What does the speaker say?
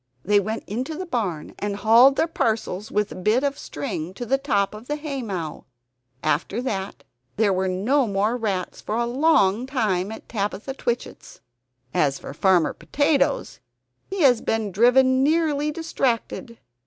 They went into the barn and hauled their parcels with a bit of string to the top of the haymow. After that, there were no more rats for a long time at Tabitha Twitchit's. As for Farmer Potatoes, he has been driven nearly distracted.